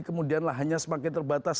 kemudian lahannya semakin terbatas